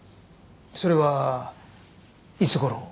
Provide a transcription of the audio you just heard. それはいつ頃？